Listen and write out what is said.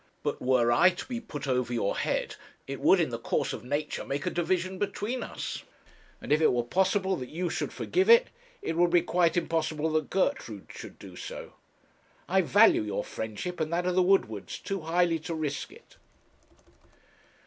But were I to be put over your head, it would in the course of nature make a division between us; and if it were possible that you should forgive it, it would be quite impossible that Gertrude should do so. I value your friendship and that of the Woodwards too highly to risk it.'